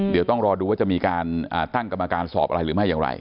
เดี๋ยวต้องรอดูว่าจะมีการตั้งกรรมการสอบอะไรหรือไม่อย่างไร